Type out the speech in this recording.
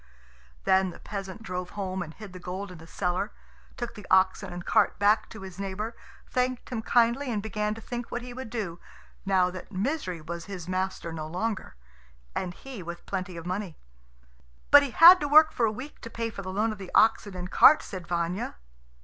Then the peasant drove home and hid the gold in the cellar; took the oxen and cart back to his neighbour, thanked him kindly, and began to think what he would do, now that Misery was his master no longer, and he with plenty of money. "But he had to work for a week to pay for the loan of the oxen and cart," said Vanya.